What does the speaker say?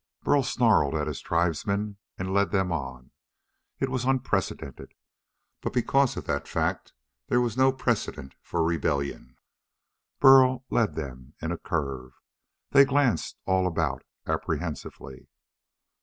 Burl snarled at his tribesmen and led them on. It was unprecedented. But because of that fact there was no precedent for rebellion. Burl led them in a curve. They glanced all about apprehensively.